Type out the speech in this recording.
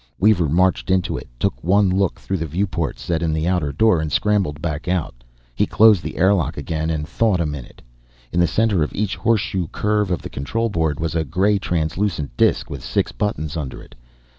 Weaver marched into it, took one look through the viewport set in the outer door, and scrambled back out. He closed the airlock again, and thought a minute. In the center of each horseshoe curve of the control board was a gray translucent disk, with six buttons under it.